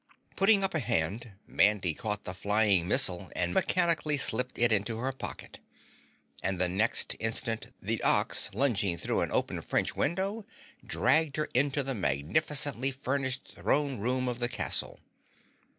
Putting up a hand, Mandy caught the flying missile and mechanically slipped it into her pocket, and the next instant the ox lunging through an open French window dragged her into the magnificently furnished throne room of the castle.